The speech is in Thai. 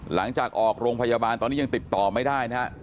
หลังจากออกโรงพยาบาลตอนนี้ยังติดต่อไม่ได้นะฮะ